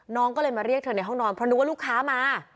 น้องก็เลยมาเรียกเธอในห้องนอนเพราะนึกว่าลูกค้ามา